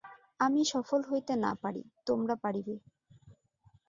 আমি সফল হইতে না পারি, তোমরা পারিবে।